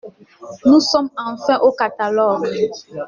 Nous sommes enfin au catalogue!